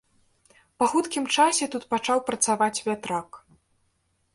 Па хуткім часе тут пачаў працаваць вятрак.